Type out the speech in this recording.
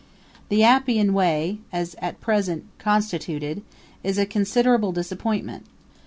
The Appian Way, as at present constituted, is a considerable disappointment.